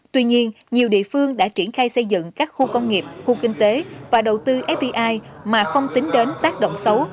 tuy nhiên nhiều địa phương đã triển khai xây dựng các khu công nghiệp khu kinh tế và đầu tư fdi mà không tính đến tác động xấu